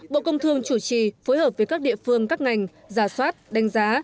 bộ công thương chủ trì phối hợp với các địa phương các ngành giả soát đánh giá